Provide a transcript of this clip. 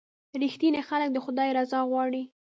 • رښتیني خلک د خدای رضا غواړي.